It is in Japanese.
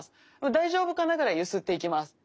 大丈夫かな？ぐらい揺すっていきます。